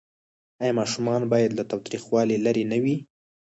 آیا ماشومان باید له تاوتریخوالي لرې نه وي؟